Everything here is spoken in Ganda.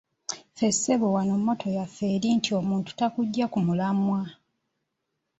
Ffe ssebo wano moto yaffe eri nti omuntu takuggya ku mulamwa.